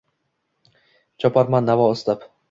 Choparman navo istab…